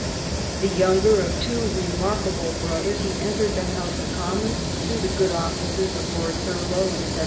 The younger of two remarkable brothers ^ he entered the House of Commons through the good offices of Lord Thurlow, in 1782.